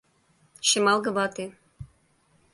Шемалге вате.